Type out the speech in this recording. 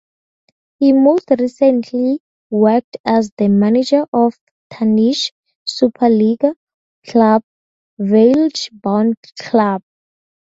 He most recently worked as the manager of Danish Superliga club Vejle Boldklub.